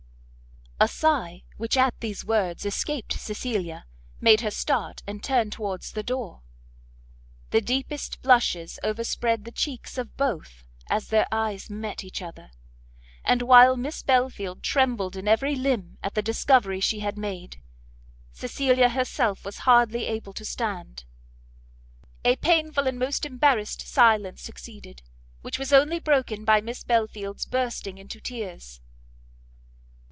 A sigh which at these words escaped Cecilia made her start and turn towards the door; the deepest blushes overspread the cheeks of both as their eyes met each other, and while Miss Belfield trembled in every limb at the discovery she had made, Cecilia herself was hardly able to stand. A painful and most embarrassed silence succeeded, which was only broken by Miss Belfield's bursting into tears.